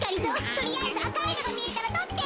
とりあえずあかいのがみえたらとって。